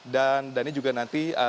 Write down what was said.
dan dhani juga nanti akan menunjukkan bahwa